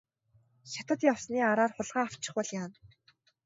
Хятад явсны араар хулгай авчихвал яана.